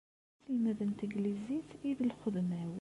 D aselmed n teglizit i d lxedma-w.